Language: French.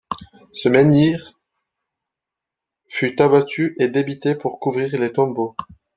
Ce menhir fut abattu et débité pour couvrir les tombeaux.